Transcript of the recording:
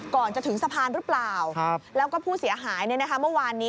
ก่อนจะถึงสะพานหรือเปล่าแล้วก็ผู้เสียหายเมื่อวานนี้